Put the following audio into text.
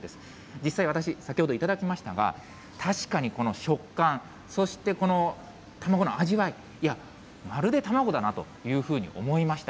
実際私、先ほど頂きましたが、確かにこの食感、そしてこの卵の味わい、いや、まるで卵だなというふうに思いました。